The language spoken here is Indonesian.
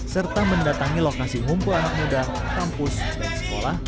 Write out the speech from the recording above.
serta mendatangi lokasi ngumpul anak muda kampus dan sekolah